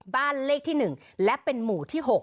บ้านเลขที่๑และเป็นหมู่ที่๖